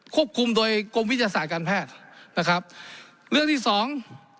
คุมโดยกรมวิทยาศาสตร์การแพทย์นะครับเรื่องที่สอง